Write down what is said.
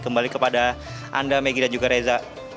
kembali kepada anda megi dan juga reza